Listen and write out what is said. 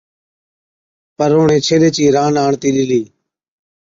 پر اِڻَھين ڇيلي چِي ران آڻتِي ڏِلِي